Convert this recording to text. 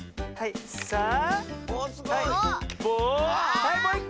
はいもういっこ！